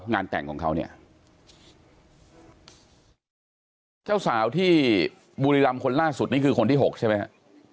งานแต่งของเขาเนี่ยเจ้าสาวที่บุรีรำคนล่าสุดนี่คือคนที่หกใช่ไหมฮะ